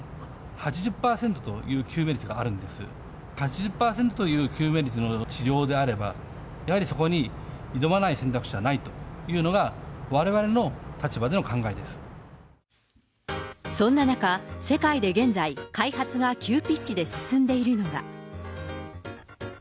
８０％という救命率の治療であれば、やはりそこに挑まない選択肢はないというのが、そんな中、世界で現在、開発が急ピッチで進んでいるのが。